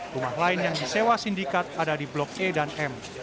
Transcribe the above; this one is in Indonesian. rumah lain yang disewa sindikat ada di blok e dan m